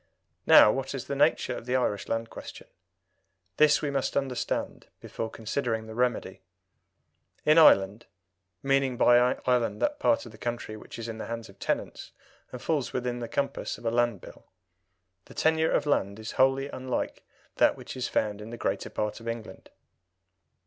Now, what is the nature of the Irish Land Question? This we must understand before considering the remedy. In Ireland (meaning by Ireland that part of the country which is in the hands of tenants, and falls within the compass of a Land Bill) the tenure of land is wholly unlike that which is found in the greater part of England.